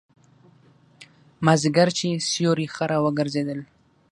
مازیګر چې سیوري ښه را وګرځېدل.